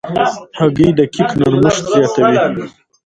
هګۍ د کیک نرمښت زیاتوي.